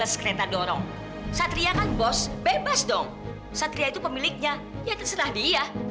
setria itu pemiliknya ya terserah dia